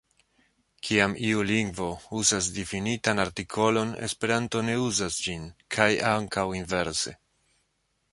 Kiam iu lingvo uzas difinitan artikolon, Esperanto ne uzas ĝin, kaj ankaŭ inverse.